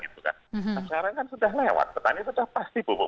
sekarang kan sudah lewat petani tetap pasti pupuk